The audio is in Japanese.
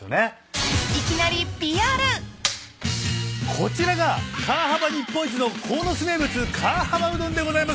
こちらが川幅日本一の鴻巣名物川幅うどんでございます。